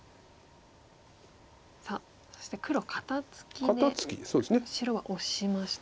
さあそして黒は肩ツキで白はオシました。